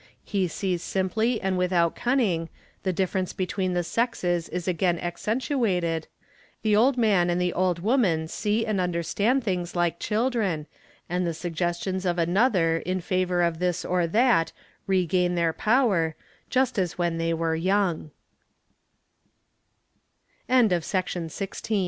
He sees simply and without cunning, the difference between the sexes is again accentuated, the old man and the old woman see and understand things _ like children, and the suggestions of another in favour of this or that "regain their power, just as when they were young "),¢¢ B. When t